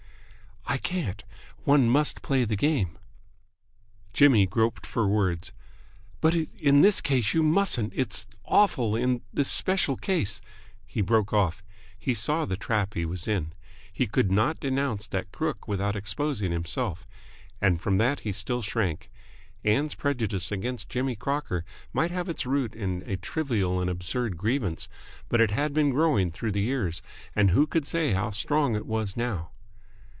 "I can't. One must play the game." Jimmy groped for words. "But in this case you mustn't it's awful in this special case " He broke off. He saw the trap he was in. He could not denounce that crook without exposing himself. And from that he still shrank. Ann's prejudice against Jimmy Crocker might have its root in a trivial and absurd grievance, but it had been growing through the years, and who could say how strong it was now?